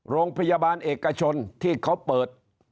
โรงพยาบาลเอกชนที่เขาเปิด